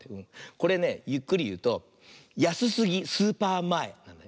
これねゆっくりいうと「やすすぎスーパーまえ」なんだよ。